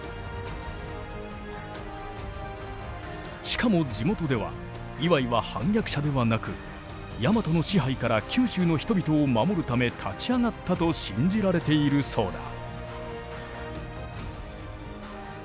しかも地元では磐井は反逆者ではなくヤマトの支配から九州の人々を守るため立ち上がったと信じられているそうだ。